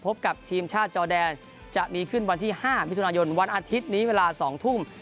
พบกับทีมชาติจอแดนจะมีขึ้นวันที่๕มิถุนายนวันอาทิตย์นี้เวลา๒ทุ่ม